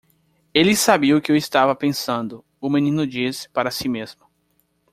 "Ele sabia o que eu estava pensando?" o menino disse para si mesmo.